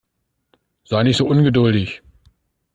Sei nicht so ungeduldig.